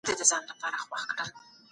زکات د بې وزلو خلګو معلوم حق دی.